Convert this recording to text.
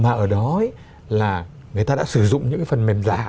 mà ở đó ấy là người ta đã sử dụng những cái phần mềm giả